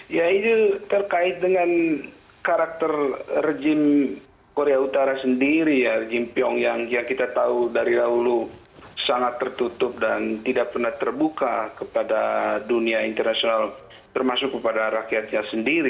ya ini terkait dengan karakter rejim korea utara sendiri ya jim pyong yang kita tahu dari dahulu sangat tertutup dan tidak pernah terbuka kepada dunia internasional termasuk kepada rakyatnya sendiri